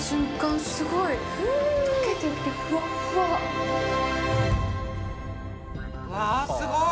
どう？わすごい！